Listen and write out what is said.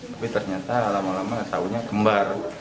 tapi ternyata lama lama sahunya kembar